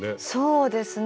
そうですね。